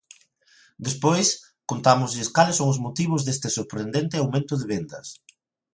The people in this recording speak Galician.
Despois, contámoslles cales son os motivos deste sorprendente aumento de vendas.